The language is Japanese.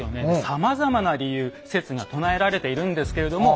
さまざまな理由説が唱えられているんですけれども。